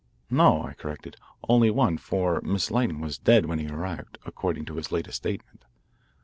"No," I corrected, "only one, for Miss Lytton was dead when he arrived, according to his latest statement."